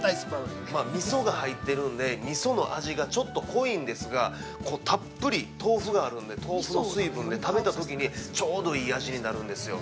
みそが入ってるんでみその味がちょっと濃いんですがたっぷり豆腐があるんで豆腐の水分で、食べたときにちょうどいい味になるんですよ。